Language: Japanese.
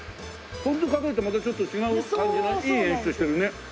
ポン酢かけるとまたちょっと違う感じのいい演出してるね。